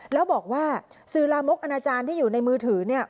แล้วบอกว่าสื่อลามกอนาจารย์ที่อยู่ในมือถือเนี่ย